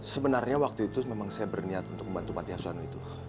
sebenarnya waktu itu memang saya berniat untuk membantu panti asuhan itu